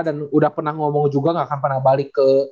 dan udah pernah ngomong juga gak akan pernah balik ke